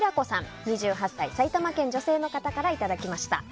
２８歳、埼玉県、女性の方からいただきました。